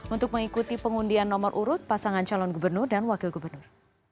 untuk mengikuti pengundian nomor urut pasangan calon gubernur dan wakil gubernur